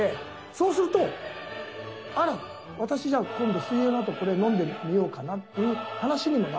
そうすると「あら。私じゃあ今度水泳のあとこれ飲んでみようかな」っていう話にもなるわけですよ。